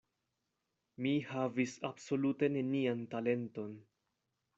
Mi havis absolute nenian talenton.